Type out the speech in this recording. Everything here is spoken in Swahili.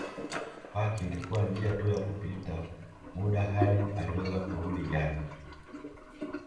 Kwake ilikuwa njia tu ya kupita muda hadi aliweza kurudi Ghana